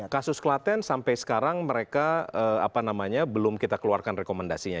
kasus klaten sampai sekarang mereka belum kita keluarkan rekomendasinya